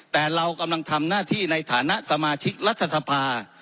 แต่เรากำลังทำหน้าที่ในฐานะสมาชิกรัฐสภา